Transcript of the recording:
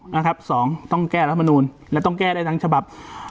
นะครับสองต้องแก้รัฐมนูลและต้องแก้ได้ทั้งฉบับ